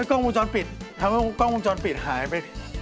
กล้องวงจรปิดทำให้กล้องวงจรปิดหายไป